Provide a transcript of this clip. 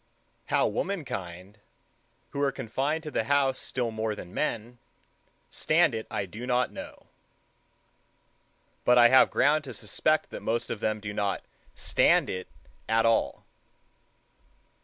How womankind, who are confined to the house still more than men, stand it I do not know; but I have ground to suspect that most of them do not stand it at all.